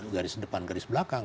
garis depan garis belakang